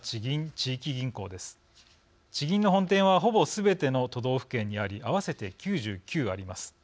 地銀の本店はほぼすべての都道府県にあり合わせて９９あります。